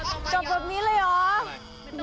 จบแบบนี้เลยเหรอ